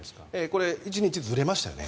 これ１日ずれましたよね。